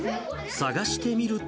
探してみると。